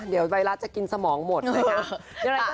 เดี๋ยวไวรัสจะกินสมองหมดเลยนะ